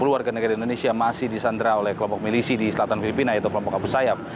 sepuluh warga negara indonesia masih disandra oleh kelompok milisi di selatan filipina yaitu kelompok abu sayyaf